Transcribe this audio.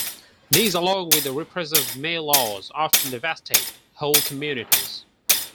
These, along with the repressive May Laws, often devastated whole communities.